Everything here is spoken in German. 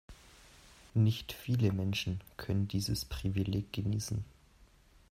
Nicht viele Menschen können dieses Privileg genießen.